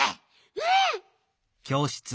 うん！